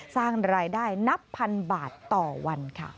สร้างรายได้นับพันบาทต่อวันค่ะ